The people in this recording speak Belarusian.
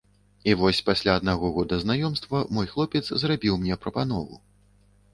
І вось пасля аднаго года знаёмства мой хлопец зрабіў мне прапанову.